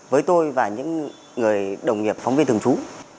với tôi và những người đồng nghiệp phóng viên thường trú